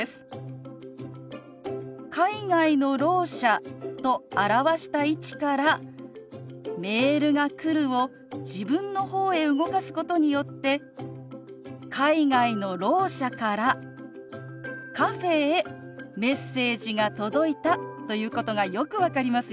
「海外のろう者」と表した位置から「メールが来る」を自分の方へ動かすことによって海外のろう者からカフェへメッセージが届いたということがよく分かりますよね。